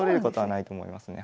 ないと思いますね。